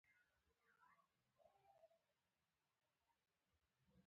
او تا د عملیاتو لپاره تیار کړم، چې عملیات دې ژر شي.